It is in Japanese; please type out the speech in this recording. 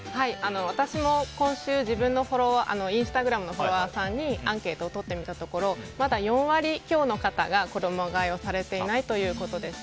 私も今週、自分のインスタグラムのフォロワーさんにアンケートをとってみたところまだ４割強の方が衣替えをされていないということでした。